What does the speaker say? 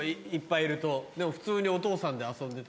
でも普通にお父さんで遊んでた。